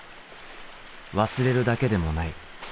忘れるだけでもない。